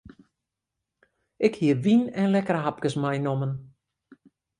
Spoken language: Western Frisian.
Ik hie wyn en lekkere hapkes meinommen.